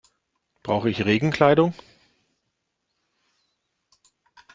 Brauche ich Regenkleidung?